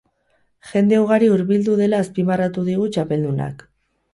Jende ugari hurbildu dela azpimarratu digu txapeldunak.